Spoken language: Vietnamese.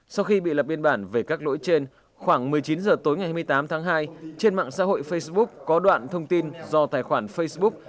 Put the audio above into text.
sau khi bị lập biên bản về các lỗi trên khoảng một mươi chín h tối ngày hai mươi tám tháng hai trên mạng xã hội facebook có đoạn thông tin do tài khoản facebook